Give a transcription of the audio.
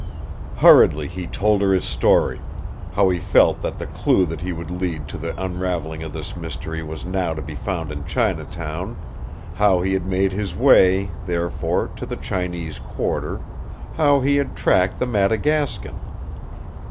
Hurriedly he told her his story how he felt that the clue that would lead to the unraveling of this mystery was now to be found in Chinatown, how he had made his way, therefore, to the Chinese quarter, how he had tracked the Madagascan.